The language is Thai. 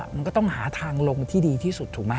มันก็ต้องหาทางลงที่ดีที่สุดถูกไหม